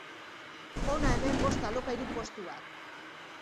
Hona hemen bost alokairu postuak.